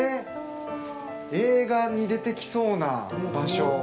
映画に出てきそうな場所。